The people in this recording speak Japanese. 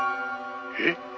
「えっ！」